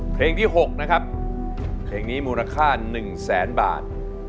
เพลงที่๖นะครับเพลงนี้มูลค่า๑แสนบาท